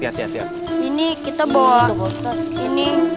ini kita bawa ini kue bulet ini